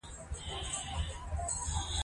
انګریز له طبیعت سره اړیکه نلري.